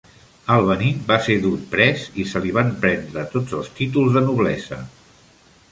Albany va ser dut pres i se li van prendre tots els títols de noblesa.